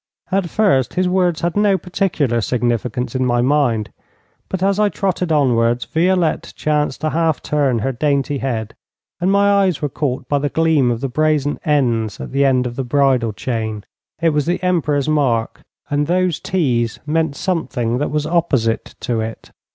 At first his words had no particular significance in my mind, but as I trotted onwards Violette chanced to half turn her dainty head, and my eyes were caught by the gleam of the brazen N's at the end of the bridle chain. It was the Emperor's mark. And those T's meant something which was opposite to it.